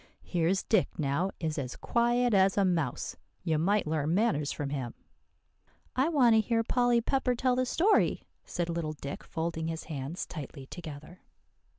"Here's Dick, now, is as quiet as a mouse. You might learn manners from him." "I want to hear Polly Pepper tell the story," said little Dick, folding his hands tightly together.